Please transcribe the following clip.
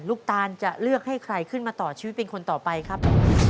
ตานจะเลือกให้ใครขึ้นมาต่อชีวิตเป็นคนต่อไปครับ